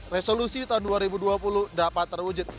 resolusi tahun dua ribu dua puluh dapat terwujud